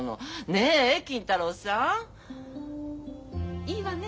ねえ金太郎さん？いいわね？